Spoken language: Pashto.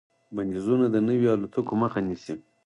بندیزونه د نویو الوتکو مخه نیسي.